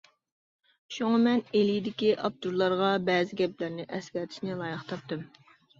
شۇڭا مەن ئىلىدىكى ئاپتورلارغا بەزى گەپلەرنى ئەسكەرتىشنى لايىق تاپتىم.